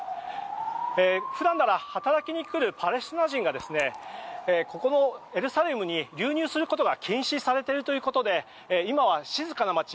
普段なら働きに来るパレスチナ人がここのエルサレムに流入することが禁止されているということで今は静かな街。